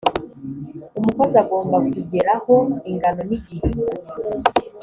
umukozi agomba kugeraho ingano n’igihe